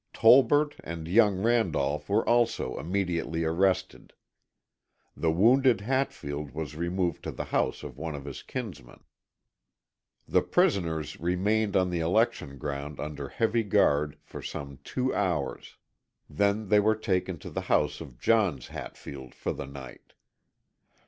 Tolbert and young Randolph were also immediately arrested. The wounded Hatfield was removed to the house of one of his kinsmen. The prisoners remained on the election ground under heavy guard, for some two hours. Then they were taken to the house of Johns Hatfield for the night.